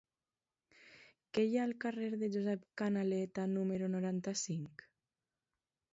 Què hi ha al carrer de Josep Canaleta número noranta-cinc?